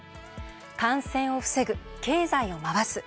感染を防ぐ、経済を回す。